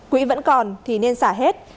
quỹ vẫn còn thì nên xả hết